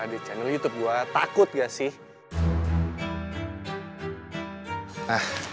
di channel youtube buat takut gak sih